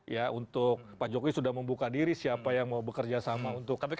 ya untuk pak jokowi sudah membuka diri siapa yang mau bekerja sama untuk kpk